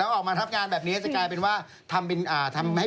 แล้วออกมาทับงานแบบนี้จะกลายเป็นว่าทำให้ป่วยเรื้อรังได้